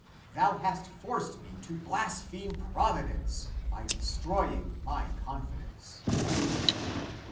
Thou hast forced me to blaspheme Providence by destroying my con fidence."